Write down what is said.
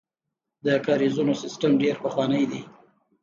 د کاریزونو سیسټم ډیر پخوانی دی